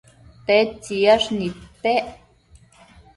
tedtsiyash nidpec